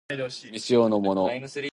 未使用のもの